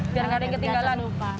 biar gak ada yang ketinggalan lupa